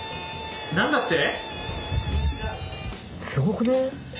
何だって？